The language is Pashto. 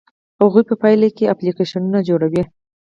هغوی په پایله کې اپلیکیشنونه جوړوي.